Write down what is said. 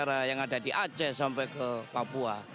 ke warga negara yang ada di aceh sampai ke papua